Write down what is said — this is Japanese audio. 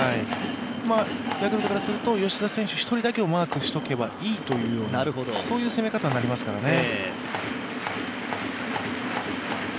ヤクルトからすると吉田選手１人だけマークしておけばいいというそういう攻め方になりますからね。